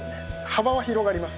幅は広がります